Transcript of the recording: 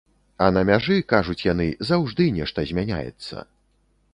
А на мяжы, кажуць яны, заўжды нешта змяняецца.